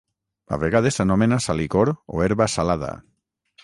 A vegades s'anomena salicor o herba salada.